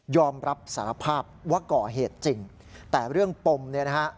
อมรับสารภาพว่าก่อเหตุจริงแต่เรื่องปมเนี่ยนะฮะ